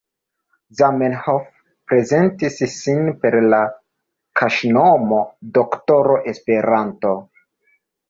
Zamenhof, prezentis sin per la kaŝnomo Doktoro Esperanto.